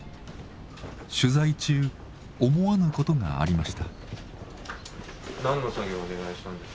取材中思わぬことがありました。